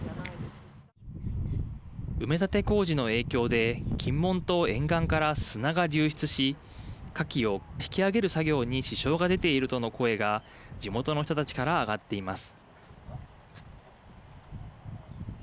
埋め立て工事の影響で金門島沿岸から砂が流出しかきを引き上げる作業に支障が出ているとの声が地元の人たちから上がっています。